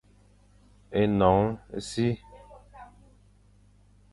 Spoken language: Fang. Énoñ e si,